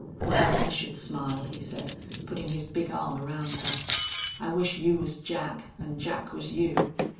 "Wal, I should smile," he said, putting his big arm around her. "I wish you was Jack an' Jack was you."